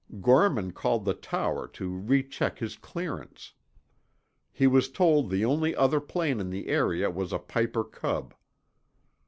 Gorman called the tower to recheck his clearance. He was told the only other plane in the area was a Piper Cub.